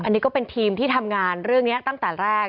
อันนี้ก็เป็นทีมที่ทำงานเรื่องนี้ตั้งแต่แรก